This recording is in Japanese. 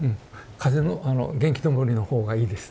風のあの元気のぼりの方がいいです。